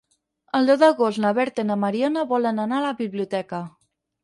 El deu d'agost na Berta i na Mariona volen anar a la biblioteca.